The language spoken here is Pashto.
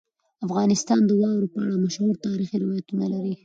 افغانستان د واوره په اړه مشهور تاریخی روایتونه لري.